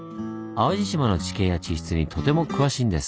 淡路島の地形や地質にとても詳しいんです。